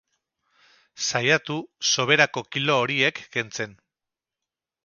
Saiatu soberako kilo horiek kentzen.